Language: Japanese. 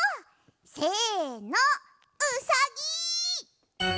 せのうさぎ！